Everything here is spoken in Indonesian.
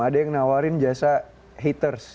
ada yang nawarin jasa haters